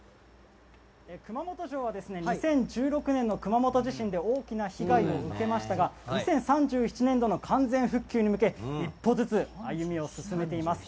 熊本城は２０１６年の熊本地震で大きな被害を受けましたが２０３７年度の完全復旧に向け一歩ずつ歩みを進めています。